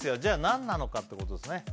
何なのかってことですね